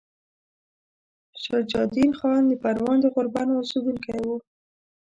شجاع الدین خان د پروان د غوربند اوسیدونکی وو.